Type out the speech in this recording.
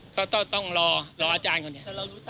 ก็ต้องรออาจารย์คนนี้